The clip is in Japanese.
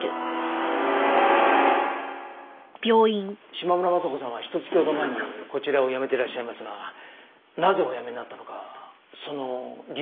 島村昌子さんはひと月ほど前にこちらを辞めてらっしゃいますがなぜお辞めになったのかその理由を。